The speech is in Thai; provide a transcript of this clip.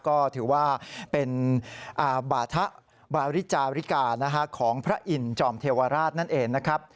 ก็ถือว่าเป็นบาทะบาริจาริกาของพระอินทอมเทวราชนั่นเองนะครับ